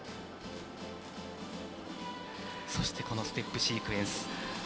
そしてこのステップシークエンス。